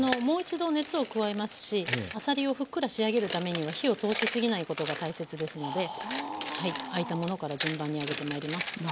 もう一度熱を加えますしあさりをふっくら仕上げるためには火を通しすぎないことが大切ですので開いたものから順番にあげてまいります。